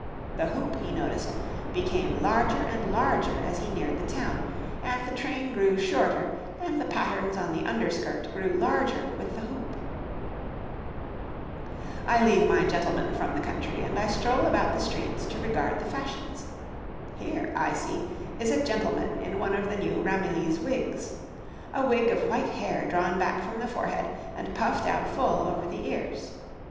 The hoop, he noticed, became larger and larger as he neared the town, and the train grew shorter, and the patterns on the under skirt grew larger with the hoop. [Illustration: {A woman of the time of Anne}] I leave my gentleman from the country and I stroll about the streets to regard the fashions. Here, I see, is a gentleman in one of the new Ramillies wigs a wig of white hair drawn back from the forehead and puffed out full over the ears.